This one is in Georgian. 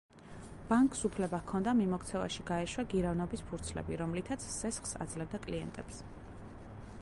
ბანკს უფლება ჰქონდა მიმოქცევაში გაეშვა გირავნობის ფურცლები, რომლითაც სესხს აძლევდა კლიენტებს.